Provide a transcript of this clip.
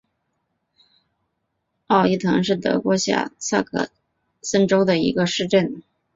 奥伊滕是德国下萨克森州的一个市镇。